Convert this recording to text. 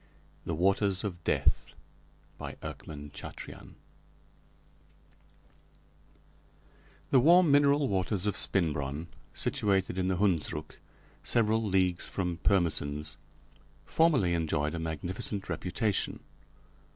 The Waters of Death The warm mineral waters of Spinbronn, situated in the Hundsrück, several leagues from Pirmesens, formerly enjoyed a magnificent reputation.